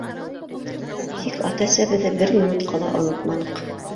Тик ата-әсәбеҙҙе бер минутҡа ла онотманыҡ.